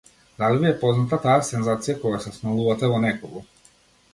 Дали ви е позната таа сензација кога се смалувате во некого?